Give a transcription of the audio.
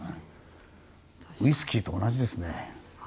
ウイスキーと同じですね。